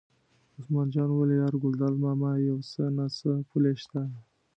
عثمان جان وویل: یار ګلداد ماما یو څه نه څه پولې شته.